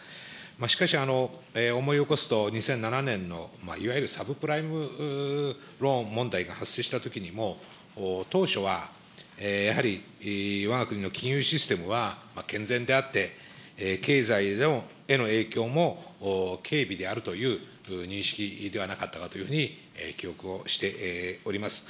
しかし、思い起こすと、２００７年のいわゆるサブプライムローン問題が発生したときにも、当初はやはり、わが国の金融システムは健全であって、経済への影響も軽微であるという認識ではなかったかというふうに記憶をしております。